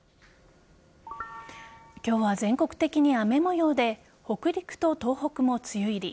今日は全国的に雨模様で北陸と東北も梅雨入り。